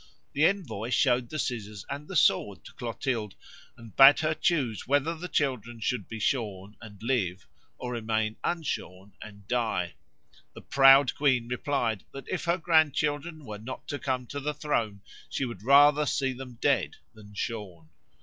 The envoy showed the scissors and the sword to Clotilde, and bade her choose whether the children should be shorn and live or remain unshorn and die. The proud queen replied that if her grandchildren were not to come to the throne she would rather see them dead than shorn.